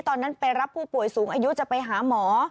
ตอนนั้นไปรับผู้ป่วยสูงอายุจะไปหาหมอ